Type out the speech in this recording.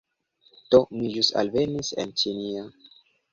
Do, mi ĵus alvenis en ĉinio